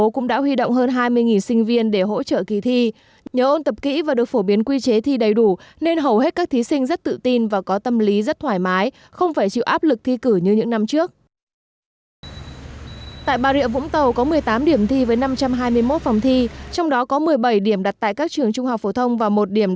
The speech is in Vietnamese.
cảm ơn quý vị đã theo dõi và hẹn gặp lại